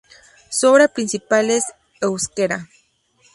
Su obra principal es "Euskera.